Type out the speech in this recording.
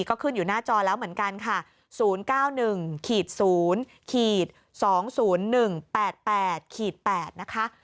ก็ขึ้นอยู่หน้าจอแล้วเหมือนกันค่ะ๐๙๑๐๒๐๒๐๑๘๘นะคะ